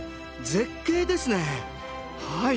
絶景ですねはい。